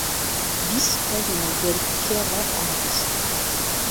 Biskoazh ne'm boa gwelet kaeroc'h arvest.